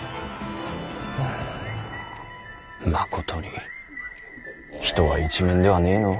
まことに人は一面ではねぇのう。